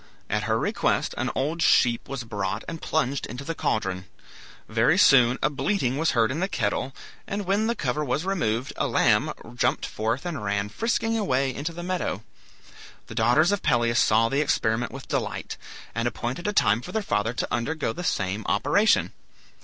At her request an old sheep was brought and plunged into the caldron. Very soon a bleating was heard in the kettle, and when the cover was removed, a lamb jumped forth and ran frisking away into the meadow. The daughters of Pelias saw the experiment with delight, and appointed a time for their father to undergo the same operation.